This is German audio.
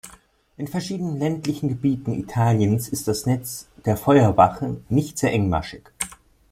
In verschiedenen ländlichen Gebieten Italiens ist das Netz der Feuerwachen nicht sehr engmaschig.